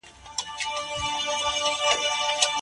تاکېدي کلمې په معاصره شاعرۍ کې هم ډېرې دي.